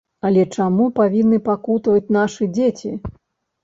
Але чаму павінны пакутаваць нашы дзеці?